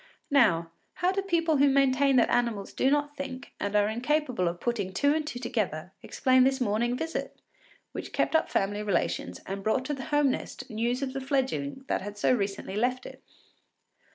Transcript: Now, how do people who maintain that animals do not think and are incapable of putting two and two together explain this morning visit, which kept up family relations and brought to the home nest news of the fledgeling that had so recently left it?